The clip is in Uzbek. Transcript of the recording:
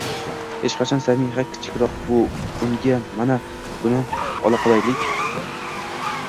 hech qachon «Samiha kichikroq-ku, unga mana buni olaqolaylik»